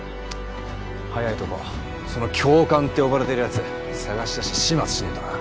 早いとこその「教官」って呼ばれてる奴捜し出して始末しねえとな。